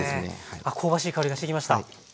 香ばしい香りがしてきました。